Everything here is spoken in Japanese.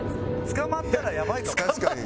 捕まったらやばいかも。